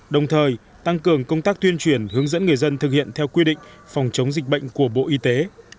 đồng thời tăng cường công tác tuyên truyền hướng dẫn người dân thực hiện theo quy định phòng chống dịch bệnh của bộ y tế